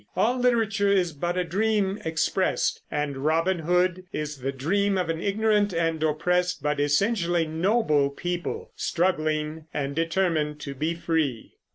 All literature is but a dream expressed, and "Robin Hood" is the dream of an ignorant and oppressed but essentially noble people, struggling and determined to be free.